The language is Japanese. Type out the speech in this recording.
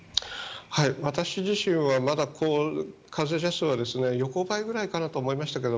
私自身はまだ感染者数は横ばいぐらいかなと思いましたけど